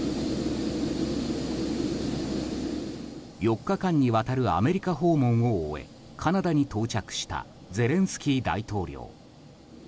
４日間にわたるアメリカ訪問を終えカナダに到着したゼレンスキー大統領。